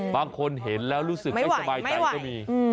บางคนเห็นแล้วรู้สึกไม่สบายใจก็มี